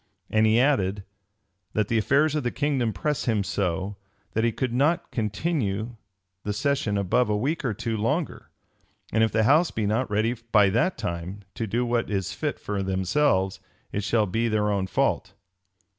And he added, "That the affairs of the kingdom press him so, that he could not continue the session above a week or two longer: and if the house be not ready by that time to do what is fit for themselves, it shall be their own fault."